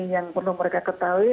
yang perlu mereka ketahui